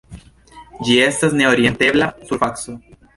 Ĝi estas ne-orientebla surfaco.